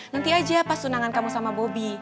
nanti aja pas sunangan kamu sama bobi